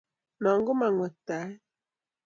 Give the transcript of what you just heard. Nokomonngwektaet